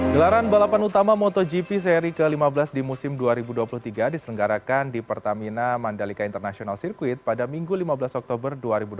gelaran balapan utama motogp seri ke lima belas di musim dua ribu dua puluh tiga diselenggarakan di pertamina mandalika international circuit pada minggu lima belas oktober dua ribu dua puluh